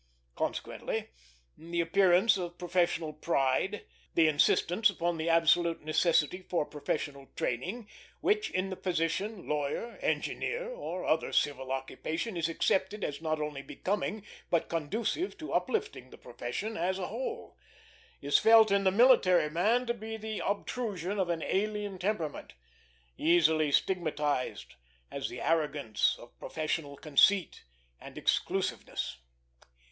Consequently, the appearance of professional pride, the insistence upon the absolute necessity for professional training, which in the physician, lawyer, engineer, or other civil occupation is accepted as not only becoming, but conducive to uplifting the profession as a whole, is felt in the military man to be the obtrusion of an alien temperament, easily stigmatized as the arrogance of professional conceit and exclusiveness.